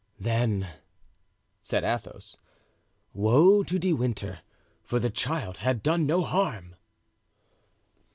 "Then," said Athos, "woe to De Winter, for the child had done no harm."